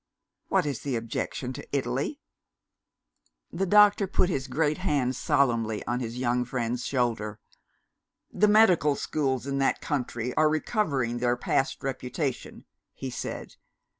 "What is the objection to Italy?" The doctor put his great hand solemnly on his young friend's shoulder. "The medical schools in that country are recovering their past reputation," he said.